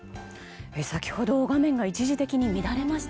先ほど画面が一時的に乱れました。